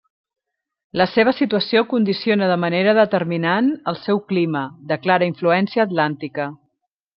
La seva situació condiciona de manera determinant el seu clima, de clara influència atlàntica.